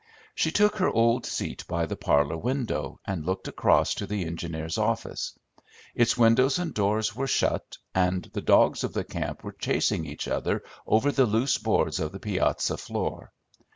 She took her old seat by the parlor window, and looked across to the engineer's office; its windows and doors were shut, and the dogs of the camp were chasing each other over the loose boards of the piazza floor.